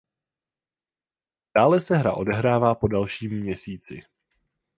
Dále se hra odehrává po dalším měsíci.